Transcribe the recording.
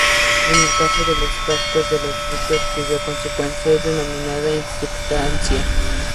Es el caso de los cascos de los buques, cuya consecuencia es denominada incrustación.